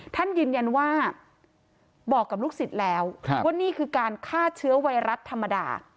ท่านยืนยันว่าบอกกับลูกศิษย์แล้วว่านี่คือการฆ่าเชื้อไวรัสธรรมดา